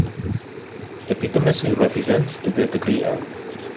Epitomacy represents, to the degree of.